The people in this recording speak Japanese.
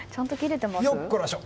よっこらしょ！